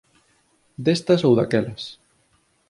Destas ou daquelas